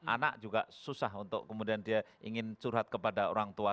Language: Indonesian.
anak juga susah untuk kemudian dia ingin curhat kepada orang tua